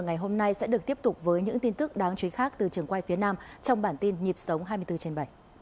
ngoài phía nam trong bản tin nhịp sống hai mươi bốn trên bảy